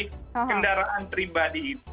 kendaraan pribadi itu